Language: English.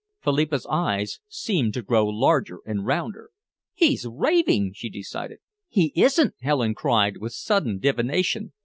Philippa's eyes seemed to grow larger and rounder. "He's raving!" she decided. "He isn't!" Helen cried, with sudden divination.